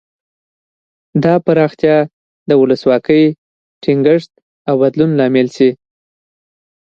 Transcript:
دا پراختیا د ولسواکۍ ټینګښت او بدلون لامل شي.